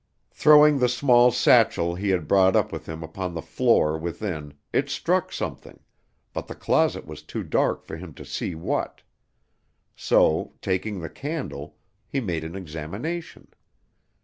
Throwing the small satchel he had brought up with him upon the floor within, it struck something, but the closet was too dark for him to see what; so, taking the candle, he made an examination.